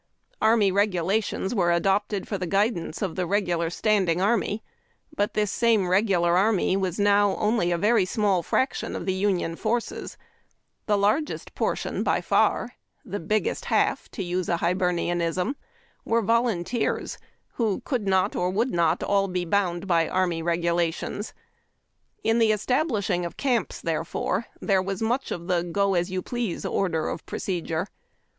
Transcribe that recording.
Army Regula tions were adopted for the guidance of the regular standing army ; but this same regulai army was now only a very small fraction of the Union forces, the largest portion by far — "the biggest half," to use a Hibernianism — were vol unteers, who could not or would not all be bound by Army 74 II Ann tack and coffee. Regulations. In the establishing of camps, therefore, there was much of the go as you please order of procedure.